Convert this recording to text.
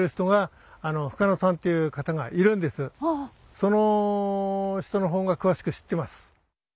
その人の方が詳しく知ってます。